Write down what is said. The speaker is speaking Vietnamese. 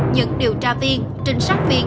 những điều tra viên trinh sát viên